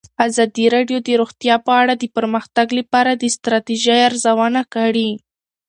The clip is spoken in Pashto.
ازادي راډیو د روغتیا په اړه د پرمختګ لپاره د ستراتیژۍ ارزونه کړې.